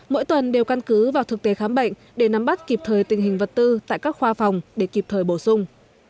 mỗi tuần đều căn cứ vào thực tế khám bệnh để nắm bắt kịp thời tình hình vật tư tại các khoa phòng để kịp thời bổ sung